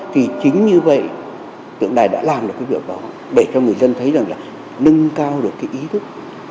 thì chính như vậy tượng đài đã làm được cái việc đó để cho người dân thấy rằng là nâng cao được cái ý thức